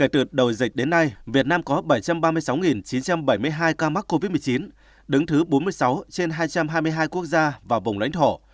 từ đầu dịch đến nay việt nam có bảy trăm ba mươi sáu chín trăm bảy mươi hai ca mắc covid một mươi chín đứng thứ bốn mươi sáu trên hai trăm hai mươi hai quốc gia và vùng lãnh thổ